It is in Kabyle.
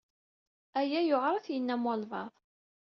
Aya yewɛeṛ ad t-yamen walbaɛḍ.